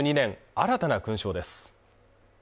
新たな勲章です